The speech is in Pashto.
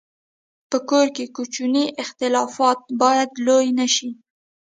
په کور کې کوچني اختلافات باید لوی نه شي.